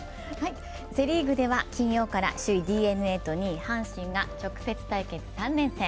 セ・リーグでは金曜から首位・ＤｅＮＡと２位・阪神が直接対決３連戦。